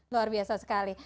luar biasa sekali